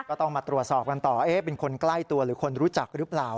ก็ต้องมาตรวจสอบกันต่อเป็นคนใกล้ตัวหรือคนรู้จักหรือเปล่า